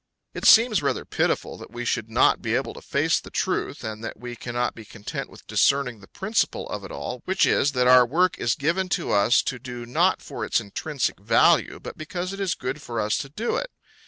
It seems rather pitiful that we should not be able to face the truth, and that we cannot be content with discerning the principle of it all, which is that our work is given to us to do not for its intrinsic value, but because it is good for us to do it.